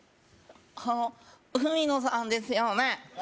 あの海野さんですよね？